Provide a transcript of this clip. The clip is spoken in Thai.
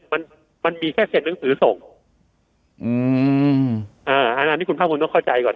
มันมันมีแค่เซ็นหนังสือส่งอืมอ่าอันนี้คุณภาคภูมิต้องเข้าใจก่อน